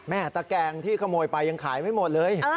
ตะแกงที่ขโมยไปยังขายไม่หมดเลย